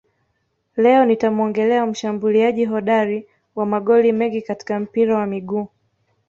Leo nitamuongelea mshambuliaji hodari wa magoli mengi katika mpira wa miguu